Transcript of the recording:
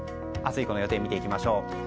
明日以降の予定を見ていきましょう。